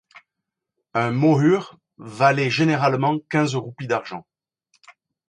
Un mohur valait généralement quinze roupies d'argent.